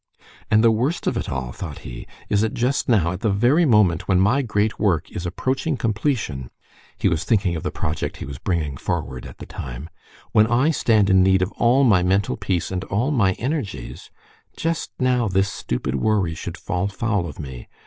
"And the worst of it all," thought he, "is that just now, at the very moment when my great work is approaching completion" (he was thinking of the project he was bringing forward at the time), "when I stand in need of all my mental peace and all my energies, just now this stupid worry should fall foul of me.